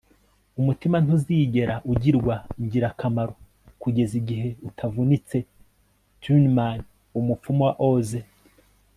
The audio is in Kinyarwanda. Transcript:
umutima ntuzigera ugirwa ingirakamaro kugeza igihe utavunitse. - tinman, umupfumu wa oz